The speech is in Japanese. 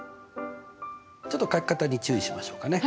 ちょっと書き方に注意しましょうかね。